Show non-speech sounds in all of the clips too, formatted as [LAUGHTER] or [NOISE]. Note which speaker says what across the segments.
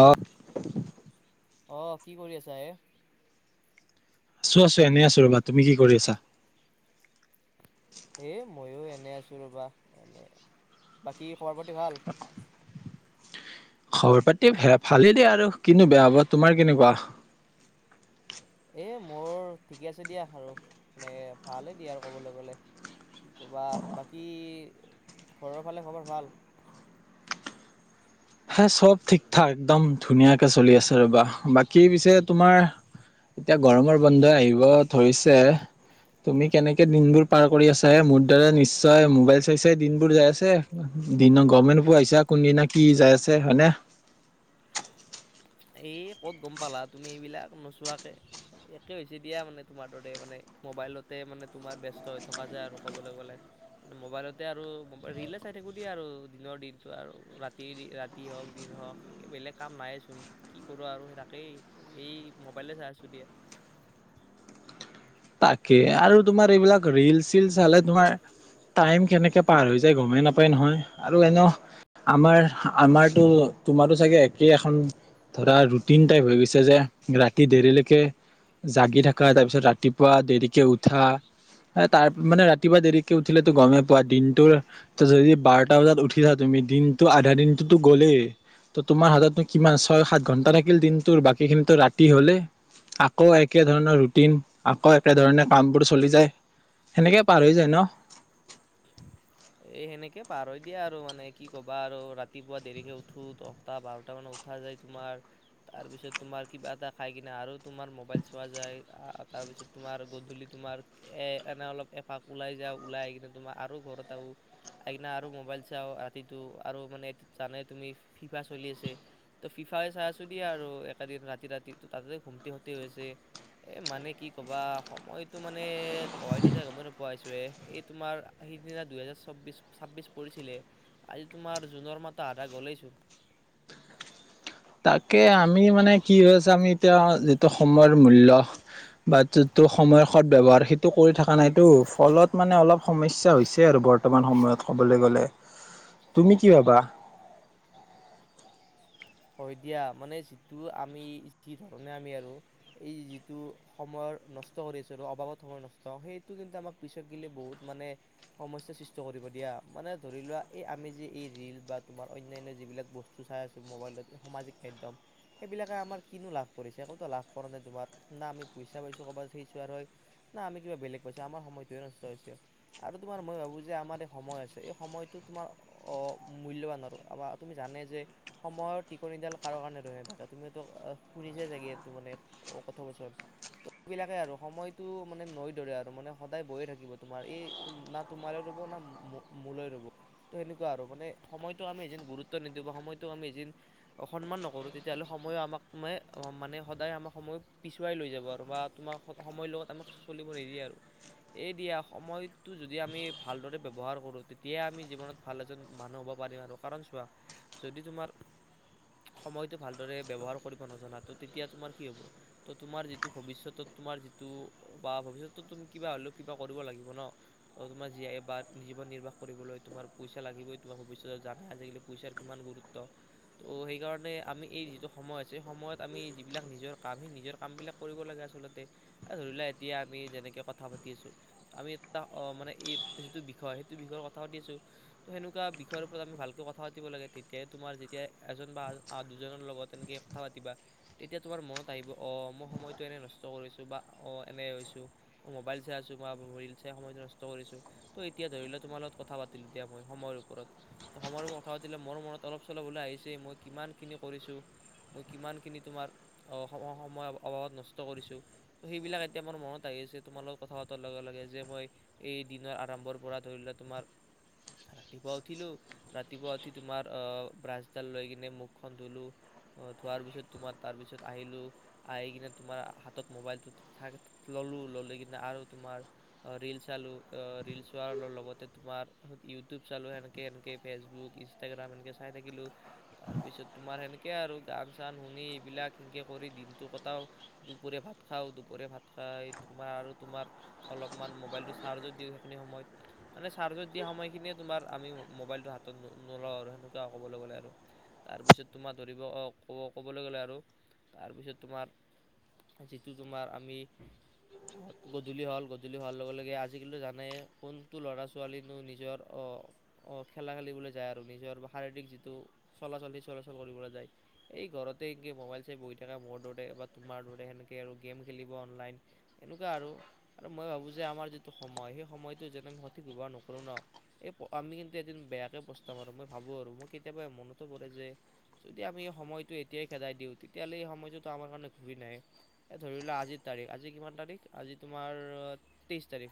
Speaker 1: অ
Speaker 2: অহ কি কৰি আছা এ
Speaker 1: আছো আছো এনেই আছো ৰবা তুমি কি কৰি আছা
Speaker 2: এ ময়ো এনে আছো ৰবা এনে বাকী খবৰ পাতি ভাল
Speaker 1: খবৰ-পাতি ভালেই দে আৰু, কিনো বেয়া হব। তোমাৰ কেনেকুৱা?
Speaker 2: এই মোৰ ঠিকে আছে দিয়া আৰু এনেকে ভালেই দিয়া আৰু ক'বলৈ গ'লে। কি ক'বা, বাকী ঘৰৰ ফালে খবৰ ভাল?
Speaker 1: হে চব ঠিক ঠাক একদম ধুনীয়াকে চলি আছে ৰ'বা। বাকী পিছে তোমাৰ এতিয়া গৰমৰ বন্ধই আহিব ধৰিছে, তুমি কেনেকে দিনবোৰ পাৰ কৰি আছা মোৰ দৰে নিশ্চয় মোবাইল চাইছে দিনবোৰ যাই আছে দিনৰ গমে পোৱা নোপোৱা আহিছা কোনদিনা কি যাই আছে আছে হয়নে
Speaker 2: এই ক'ত গম পালা তুমি এইবিলাক নোচোৱাকৈ একে হৈছে দিয়া। মানে, তোমাৰ দৰে মানে মোবাইলতে মানে তোমাৰ ব্যস্ত হৈ থকা যায় আৰু ক'বলৈ গ'লোন মোবাইলতে আৰু ম ৰীলে চাই থাকোঁ দিয়া আৰু দিনৰ দিনটো আৰু ৰাতি ৰাতি হওঁক দিন হওঁক বেলেগ কাম নাইচোন। কি কৰো আৰু সেই তাকেই এই মোবাইলে চাই আছো দিয়া।
Speaker 1: তাকে আৰু তোমাৰ এইবিলাক ৰিল-চিল চালে তোমাৰ টাইম কেনেকে পাৰ হৈ যায় গমেই নাপায় নহয়। আৰু এনে আমাৰ আমাৰতো তোমাৰো চাগে একেই এখন ধৰা ৰুটিন টাইপ হৈ গৈছে যে, ৰাতি দেৰিলৈকে জাগি থকা তাৰপিছত ৰাতি দেৰিকে উঠা তাৰ মানে ৰাতিপুৱা দেৰিকে উঠিলেতো গমেই পোৱা দিনটোৰ যদি বাৰটা বজাত উঠিছা তুমি দিনতটো আধা দিনটোতো গ'লেই, ত তোমাৰ হাতত কিমান ছয়-সাত ঘন্টা থাকিল দিনটোৰ বাকী খিনো ৰাতি হলে আকৌ একে ধৰণৰ ৰুটিন আকৌ একেধৰণে কামবোৰ চলি যায়, সেনেকেই পাৰ হৈ যায় ন?
Speaker 2: এ সেনেকে পাৰ হৈ দিয়া আৰু মানে কি ক'বা আৰু ৰাতিপুৱা দেৰিকে উঠো, দহটা-বাৰটা মানত উঠা যায়, তোমাৰ তাৰপিছত তোমাৰ কিবা এটা খাই কিনে আৰু তোমাৰ মোবাইল চোৱা যায়। তাৰপিছত তোমাৰ গধূলি তোমাৰ এ এনে অলপ এপাক ওলাই যা ওলাই কিনে তোমাৰ আৰু ঘৰত আদিনা আৰু মোবাইল চা। ৰাতিটো আৰু মানে জানে তুমি ফিফা চলি আছে ত ফিফাই চাই আছো দিয়া আৰু একেদিন ৰাতি-ৰাতি ত তাতে ঘুমটি ফূ্ত হৈছে এ মানে কি কবা সময়তটো মানে কাই দিছা গমেই নোপাইছো এ এই তোমাৰ সিদিনা দুইহেজাৰ চৌ্বিশ-ছাব্বিছ পৰিছিলে আজি তোমাৰ জুনৰ মাহ তো আধা গলেইছোন।
Speaker 1: তাকে আমি মানে কি হৈ আছে, আমি এতিয়া যিটো সময়ৰ মূল্য বা যিটো সময়ৰ সদ ব্যৱহাৰ, সেইটো কৰি থকা নাইটো। ফলত মানে অলপ সমস্যা হৈছে আৰু বৰ্তমান সময়ত ক'বলৈ গ'লে। তুমি কি ভাবা?
Speaker 2: হয় দিয়া। মানে যিটো আমি, যি ধৰণে আমি আৰু এই যিটো সময় নষ্ট কৰি আছো আৰু অবাবত সময় নষ্ট সেইটো কিন্তু আমাক পিছত গলে বহুত মানে সমস্যাৰ সৃষ্টি কৰিব দিয়া। মানে ধৰি লোৱা এই আমি যে, এই ৰিল বা তোমাৰ অনান্য যিবিলাক বস্তু চাই আছো মোবাইলত সামাজিক মাধ্যম, সেইবিলাকে আমাৰ কিনো লাভ কৰিছে। একোতো লাভ কৰা ন তোমাৰ, না আমি পইচা পাইছোঁ ক'ৰবাত সেই চোৱাৰ হয় না আমি কিবা বেলেগ পাইছোঁ। আমাৰ সময়টোৱে নষ্ট হৈছে, আৰু তোমাৰ মই ভাবোঁ যে, আমাৰ এই সময় আছে এই সময়টো তোমাৰ মূল্যৱানৰ তুমি জানে যে, সময়ত টিকনিডাল কাৰো কাৰণে ৰৈ নাথাকা। তুমি শুনিছা চাগে এইটো মানে কথা বছন ' সেইবিলাকে আৰু সময়টো মানে নৈ দৰে আৰু মানে সদায় বয়ে থাকিব তোমাৰ এই না তোমালৈ ৰ'ব না মোলৈ ৰ'ব তো সেনেকুৱা আৰু মানে। সময়টো আমি এদিন গুৰুত্ব নিদওঁ বা সময়টোক আমি এদিন সন্মান নকৰো তেতিয়াহ'লে সময়ো আমাক মানে সদায় আমাক সময় পিছুৱাই লৈ যাব আৰু বা তোমাক সময়ৰ লগত আমাক চলিব নিদিয়ে আৰু, এ দিয়া সময়টো যদি আমি ভালদৰে ব্যৱহাৰ কৰো, তেতিয়াই আমি জীৱনত ভাল এজন মানুহ হ'ব পাৰিম। আৰু কাৰণ চোৱা যদি তোমাৰ সময়টো ভালদৰে ব্যৱহাৰ কৰিব নজানাত তেতিয়া তোমাৰ কি হব? ত তোমাৰ যিটো ভৱিষ্যতৰ তোমাৰ যিটো বা ভৱিষ্যতত তুমি কিবা হলেও কিবা কৰিব লাগিব ন, তোমাৰ জীয়াই বা জীৱন নিৰ্বাহ কৰিবলৈ তোমাৰ পইচা লাগিবই। তোমাৰ ভৱিষ্যত জানাই আজিকালি পইচাৰ কিমান গুৰুত্ব। তো সেইকাৰণে আমি এই যিটো সময় আছে, সময়ত আমি যিবিলাক নিজৰ কাম সেই নিজৰ কামবিলাক কৰিব লাগে আচলতে, ধৰি লোৱা এতিয়া আমি যেনেকৈ কথা পাতি আছোঁ আমি এটা মানে এই যিটো বিষয় সেইটো বিষয়ত কথা পাতি আছোঁ তো সেনেকুৱা বিষয়ৰ ওপৰত আমি ভালকৈ কথা পাতিব লাগে তেতিয়া তোমাৰ যেতিয়া এজন বা দুজনৰ লগত এনেকে কথা পাতিবা তেতিয়া তোমাৰ মনত আহিব অ 'মই সময়টো এনে নষ্ট কৰিছো বা অ এনে হৈছো মোবাইল চাই আছো বা ৰিল চাই সময়টো নষ্ট কৰিছো। ত' এতিয়া ধৰি ল তোমাৰ লগত কথা পাতিলো এতিয়া মই সময়ৰ ওপৰত ত সময়ৰওপৰত কথা পাতিলে মোৰ মনত অলপ চলপ হলে আহিছে মই কিমান খিনি কৰিছোঁ? ত কিমান খিনি তোমাক সম সময়ৰ অভাৱত নষ্ট কৰিছোঁ। হেইবিলক এতিয়া মোৰ মনত আহিছে তোমাৰ লগত কথা পতা যে এই দিনা আৰম্ভৰ দিনৰ পৰা তোমাৰ ৰাতিপু উঠিলো, ৰাতিপুৱা উঠি তোমাৰ ব্ৰাছ লৈ কিনে মুখখন ধুলোঁ, ধোৱাৰ পিছত তোমাৰ তাৰপিছত আহিলোঁ। আহি কিনে তোমাৰ হাতত মোবাইলটো ল'লোঁ লৈ কিনে আৰু তোমাৰ ৰিল চালোঁ, ৰিল চোৱাৰ লগতে তোমাৰ ইউটিউব চালোঁ। সেনেকৈ এনেকে ফেচবুক, ইনষ্টাগ্ৰাম এনেকৈ চাই থাকিলোঁ। তাৰপিছত তোমাৰ সেনেকে আৰু গান চান শুনি এইবিলাক সেনেকৈ কৰি দিনটো কটাও। দুপৰীয়া ভাত খাওঁ দুপৰীয়া ভাত খাই তোমাৰ আৰু তোমাৰ অলপমান মোবাইলটো চাৰ্জত দিওঁ সেইখিনি সময়ত মানে চাৰ্জত দিয়া সময়খিনিয়ে তোমাৰ আমি মোবাইলটো হাতত ন নলওঁ আৰু সেনেকুৱা ক'বলৈ গ'লে আৰু তাৰপিছত তোমাৰ ধৰিব আহ কব ক'বলৈ গ'লে আৰু তাৰপিছত তোমাৰ যিটো তোমাৰ আমি গধূলি হ'ল গধূলি হোৱাৰ লগে লগে আজিকালিতি জানে কোনটো ল'ৰা ছোৱালিনো নিজৰ অ অ খেলা খেলিবলৈ যায় আৰু নিজৰ শাৰীৰিক যিটো চলাচল সি চলাচল কৰিবলৈ যায় এই ঘৰতে একৈ মোবাইল চাই বহি থাকে মোৰ দৰে বা তোমাৰ দৰে সেনেকৈ আৰু গেম খেলিব অনলাইন এনেকুৱা আৰু আৰু মই ভাবোঁ যে আমাৰ যিটো সময় সেই সময়টো যেনে আমি সঠিক ব্যৱহাৰ নকৰোঁ ন এই আমি কিন্তু এদিন বেয়াকৈ পষ্টাম আৰু মই ভাবোঁ আৰু মই কেতিয়াবা মন আমি সময়টো এতিয়াই খেদাই দিওঁ তেতিয়াহ'লে এই সময়টো আমাৰ কাৰণে ঘূৰি নাহে। ধৰি লোৱা আজিৰ তাৰিখ আজি কিমান তাৰিখ আজি তোমাৰ তেইছ তাৰিখ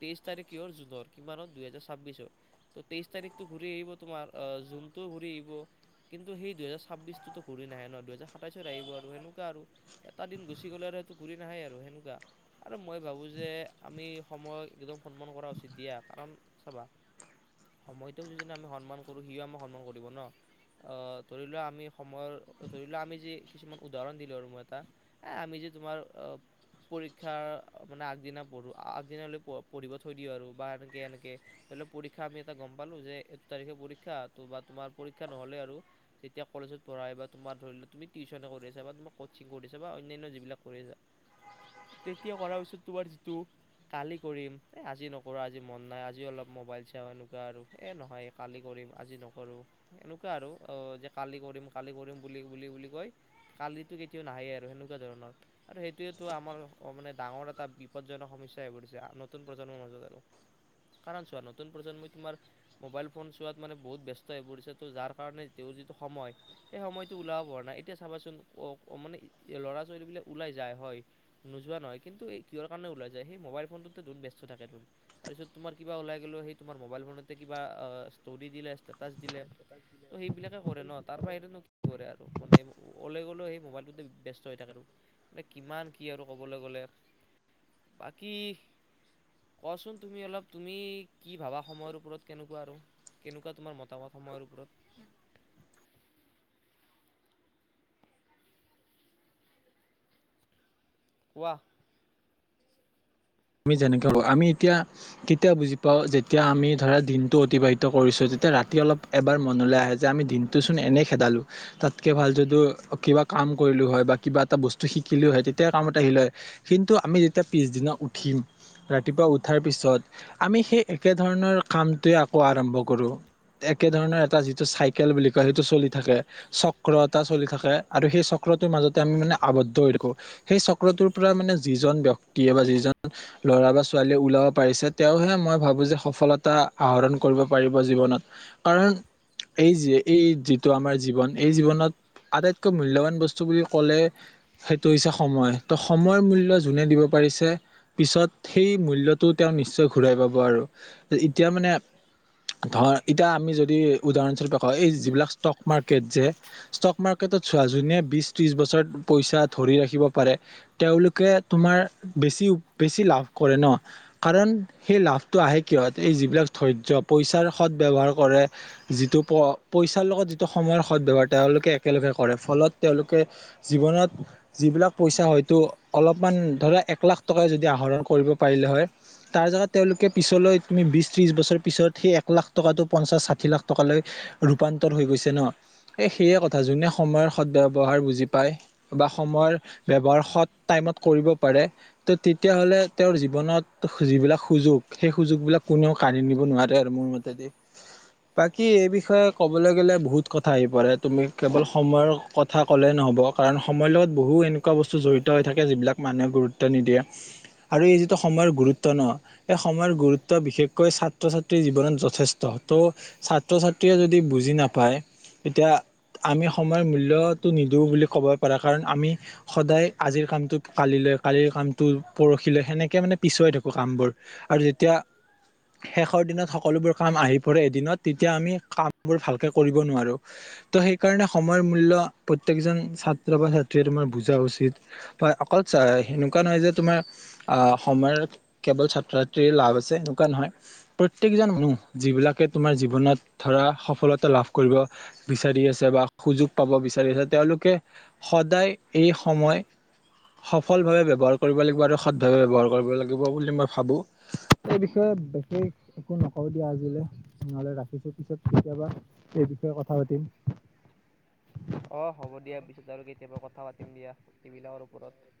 Speaker 2: তেইছ তাৰিখ কি জুনৰ কিমান দুহেজাৰ চাব্বিশৰ ত তেইছ তাৰিখ ঘূৰি আহিব তোমাৰ জুনটো ঘূৰি আহ কিন্তু, সেই দুহেজাৰ ছাব্বিছটোতো ঘূৰি নাহে ন দুহেজাৰ সাতাইছত আহিব আৰু সেনেকুৱা আৰু। এটা দিন গুচি গ'লে আৰু সেইটো ঘূৰি নাহেই আৰু সেনেকুৱা আৰু মই ভাবোঁ যে আমি সময় একদম সন্মান কৰা উচিত দিয়া। কাৰণ, চাবা সময়টোক যদি আমি সন্মান কৰোঁ সিও আমাক সন্মান কৰিব ন। আহ ধৰি লোৱা আমি সময়ৰ, ধৰি লোৱা আমি যি কিছুমান উদাহৰণ দিলো আৰু মই এটা এ আমি যে তোমাৰ পৰীক্ষা মানে আগদিনা পঢ়ো আগদিনৈ পঢ়িব থৈ দিওঁ আৰু বা এনেকে এনেকে ধৰি ল পৰীক্ষা আমি এটা গম পালো যে, এই তাৰিখে পৰীক্ষা বা তোমাৰ শিক্ষা নহলে আৰু যেতিয়া কলেজত পঢ়া হয় বা তোমাৰ ধৰি লোৱা বা তুমি টিউচনে কৰি আছা বা তুমি কচিং কৰিছা বা অনান্য যিবিলাক কৰি আছা, তেতিয়া কৰাৰ পিছত তোমাৰ যিটো কালি কৰিম আজি নকৰো আজি মন নাই আজি অলপ মবাইল চাও এনেকুৱা আৰু এ, নহয় কালি কৰিম আজি নকৰো এেনেকুৱা আৰু যে কালি কৰিম কালি কৰিম বুলি বুলি বুলি কয় কালিতটো কেতিয়াও নাহেই আৰু সেনেকুৱা ধৰণৰ আৰু সেইটোৱেতো আমাৰ মানে ডাঙৰ এটা বিপদজনক সমস্যা হৈ পৰিছে নতুন প্ৰজন্মৰ মাজত আৰু কাৰণ চোৱা নতুন প্ৰজন্মই তোমাৰ মোবাইল ফোন চোৱাত মানে বহুত ব্যস্ত হৈ পৰিছে তো যাৰ কাৰণে তেওঁৰ যিটো সময় সেই সময়টো ওলাব পৰা নাই এতিয়া চাবাচোন মানে ল'ৰা ছোৱালীবিলাক ওলাই যায় হয় নোযোৱা নহয় কিন্তু এই কিিয়ৰ কাৰণে ওলাই যায় সেই মোবাইল ফোনটোতোন ব্যস্ত থাকে তোন তাৰপিছত তোমাৰ কিবা ওলাই গ'লেও সেই তোমাৰ মোবাইল ফোনতে কিবা ষ্টৰিী দিলে ষ্টেটাছ দিলে ত' সেইবিলাকে কৰে ন তাৰ বাহিৰেনো কি কৰে আৰু মানে 'লে গ'লেও সেই মোবাইলটোতে ব্যস্ত হৈ থাকে আৰু মানে কিমান কি আৰু ক'বলৈ গ'লে। বাকী কোৱা চোন তুমি অলপ তুমি কি ভাবা সময়ৰ ওপৰত কেনেকুৱা আৰু কেনেকুৱা তোমাৰ মতামত সময়ৰ ওপৰত। প [UNINTELLIGIBLE] ৱাহ।
Speaker 1: আমি যেনেকে হ আমি এতিয়া কেতিয়া বুজি পাওঁ। যেতিয়া, আমি ধৰা দিনটো অতিবাহিত কৰিছোঁ তেতিয়া ৰাতি অলপ এবাৰ মনলৈ আহে যে আমি দিনটোচোন এনেই খেদালোঁ তাতকৈ ভাল যদিও কিবা কাম কৰিলো হয় বা কিবা এটা বস্তু শিকিলো হয় তেতিয়া কামত আহিলে হয়। কিন্তু, আমি যেতিয়া পিছদিনা ৰাতিপুৱা উঠাৰ পিছত আমি সেই একে ধৰণৰ কামটোৱে আকৌ আৰম্ভ কৰো। একে ধৰণৰ এটা যিটো চাইকেল বুলি কয় সেইটো চলি থাকে। চক্ৰ এটা চলি থাকে আৰু সেই চক্ৰটোৰ মাজতে আমি মানে আৱদ্ধ হৈ থাকো। সেই চক্ৰটোৰ পৰা মানে যি জন ব্যক্তি য়ে বা যিজন ল'ৰা বা ছোৱালীয়ে ওলাব পাৰিছে, তেওঁহে মই ভাবো যে সফলতা আহৰণ কৰিব পাৰিব জীৱনত। কাৰণ, এই যি এই যিটো আমাৰ জীৱন এই জীৱনত আটাইতকৈ মূল্যৱান বস্তু বুলি ক'লে, সেইটো হৈছে সময়। ত সময়ৰ মূল্য যোনে দিব পাৰিছে পিছত সেই মূল্য তেওঁ নিশ্চয় ঘূৰাই পাব। আৰু এতিয়া মানে ধ এতিয়া আমি যদি উদাহৰণস্বৰূপে কওঁ এই যিবিলাক ষ্টক মাৰ্কেট যে ষ্টক মাৰ্কেটত ছোৱালী জনীয়ে বিশ-ত্ৰিশ বছৰত পইচা ধৰি ৰাখিব পাৰে। তেওঁলোকে তোমাৰ বেছি বেছি লাভ কৰে ন। কাৰণ সেই লাভটো আহে কিহ এই যিবিলাক ধৈৰ্য পইচাৰ সৎ ব্যৱহাৰ কৰে। যিটো প পইচাৰ লগত যিটো সময়ৰ সদ ব্যয়ৱহাৰ তেওঁলোকে একেলগে কৰে। ফলত তেওঁলোকে জীৱনত যিবিলাক পইচা হয়তো অলপমান ধৰা এক লাখ টকা যদি আহৰণ কৰিব পাৰিলে হয় তাৰ জেগা তেওঁলোকে পিছলৈ তুমি বিশ-ত্ৰিশ বছৰ পিছত সেই এক লাখ টকাটো পঞ্চাশ ষাঠি লাখ টকালৈ ৰূপান্তৰ হৈ গৈছে ন, এই সেয়ে, কথা যোনে সময়ৰ সৎবৱহাৰ বুজি পায় বা সময়ৰ ব্যৱহাৰ সৎ টাইমত কৰিব পাৰে তেতিয়াহ'লে তেওঁৰ জীৱনত যিবিলাক সুযোগ সেই সুযোগবিলাক কোনেও কাঢ়ি নিব নোৱাৰে আৰু মোৰ মতে দেই। বাকী এই বিষয়ে ক'বলৈ গ'লে বহুত কথা আহি পৰে তুমি কেৱল সময়ৰ কথা ক'লেই নহ'ব। কাৰণ, সময়ৰ লগত বহু এনেকুৱা বস্তু জড়িত হৈ থাকে, যিবিলাক মানুহে গুৰুত্ব নিদিয়ে। আৰু এই যিটো সময়ৰ গুৰুত্ব ন এই সময়ৰ গুৰুত্ব বিশেষকৈ ছাত্ৰ ছাত্ৰীৰ জীৱনত যথেষ্ট। ত' ছাত্ৰ-ছাত্ৰীয়ে যদি বুজি নাপায় তেতিয়া আমি সময়ৰ মূল্যতে নিদিওঁ বুলি ক'ব পাৰা। কাৰণ আমি সদায় আজিৰ কামটো কালিলৈ কালিৰ কাম ত পৰহিলৈ সেনেকে মানে পিছুৱাই থাকো কামবোৰ আৰু যেতিয়া শেষৰ দিনত সকলোবোৰ কাম আহি পৰে এদিনত তেতিয়া আমি কামবোৰ ভালকে কৰিব নোৱাৰো ত' সেইকাৰণে সময়ৰ মূল্য প্ৰত্যেকজন ছাত্ৰ বা ছাত্ৰীয়ে তোমাৰ বুজা উচিত বা অকল সেনেকুৱা নহয় যে তোমাৰ আহ সময়ত কেৱল ছাত্ৰ-ছাত্ৰীৰ লাভ আছে, এনেকুৱা নহয়। প্ৰত্যেকজন মানুহ যিবিলাকে তোমাৰ জীৱনত ধৰা সফলতা লাভ কৰিব বিচাৰি আছে বা সুযোগ পাব বিচাৰি আছে তেওঁলোকে সদায় এই সময় সফল ভাৱে ব্যৱহাৰ কৰিব লাগিব আৰু সৎভাৱে বব্যৱহাৰ কৰিব লাগিব বুলি মই ভাবো। এই বিষয়ে বিশেষ একো নকওঁ দিয়া আজিলে নহলে ৰাখিছো। পিছত কেতিয়াবা এই বিষয়ে কথা পাতিম।
Speaker 2: অ' হ'ব দিয়া। পিছত আৰু কেতিয়াবা কথা পাতিম দিয়া এই বিলাকৰ ওপৰত।